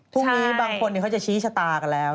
พรุ่งนี้บางคนเขาจะชี้ชะตากันแล้ว